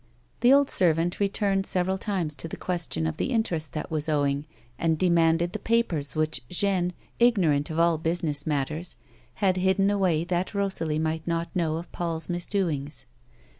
The old servant returned several times to the question of the interest that was owing, and demanded the papers which Jeanne, ignorant of all business matters, had hidden away that Rosalie might not know of Paul's misdoings.